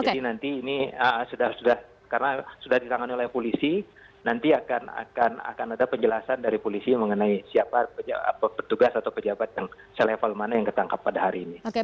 jadi nanti ini karena sudah ditangani oleh polisi nanti akan ada penjelasan dari polisi mengenai siapa petugas atau pejabat yang selevel mana yang ketangkap pada hari ini